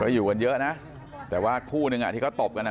อยู่กันเยอะนะแต่ว่าคู่นึงอ่ะที่เขาตบกันอ่ะ